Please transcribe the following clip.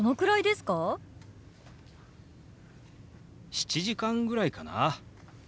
７時間ぐらいかな。